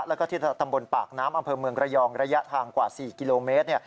แล้วก็ที่ตำบลปากน้ำอำเภอเมืองระยองระยะทางกว่า๔กิโลเมตร